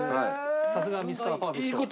さすがミスターパーフェクト。